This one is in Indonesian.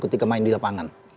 ketika main di lapangan